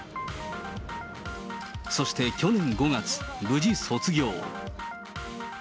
そして去年５月、無事卒業。